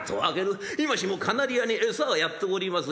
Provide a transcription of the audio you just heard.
今しもカナリアに餌やっております